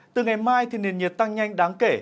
từ ngày mai thì nền nhiệt tăng nhanh đáng kể